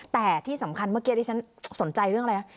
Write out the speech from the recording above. แต่ที่สำคัญเมื่อกี้ที่ฉันสนใจเรื่องอะไร